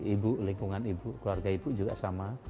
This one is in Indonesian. ibu lingkungan ibu keluarga ibu juga sama